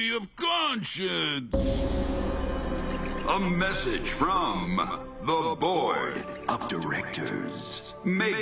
「メッセージです。